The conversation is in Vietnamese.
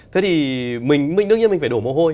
thế thì đương nhiên mình phải đổ mồ hôi